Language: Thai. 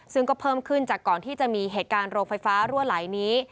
ซึ่งก็เพิ่มขึ้นจากก่อนที่จะมีเหตุการณ์โรงไฟฟ้ารั่วไหลนี้